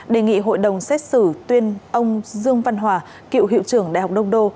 đề nghị hội đồng xét xử tuyên ông dương văn hòa cựu hiệu trưởng đại học đông đô